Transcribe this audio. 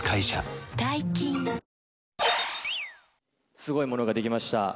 すごいものが出来ました。